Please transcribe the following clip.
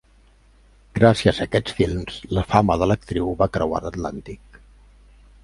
Gràcies a aquests films, la fama de l'actriu va creuar l'Atlàntic.